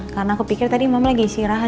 karena aku pikir tadi mama lagi istirahat